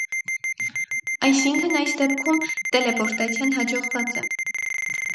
Այսինքն այս դեպքում տելեպորտացիան հաջողված է։